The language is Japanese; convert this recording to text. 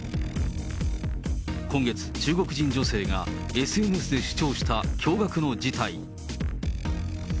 今月、中国人女性がＳＮＳで主張した驚がくの事態。